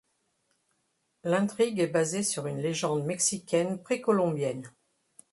L’intrigue est basée sur une légende mexicaine précolombienne.